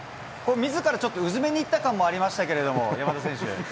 みずからちょっとうずめにいった感もありましたけれども、山田選手。